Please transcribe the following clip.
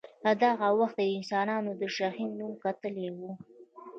له دغه وخته یې د انسانانو د شهین نوم ګټلی وي.